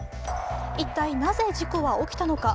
一体なぜ事故は起きたのか？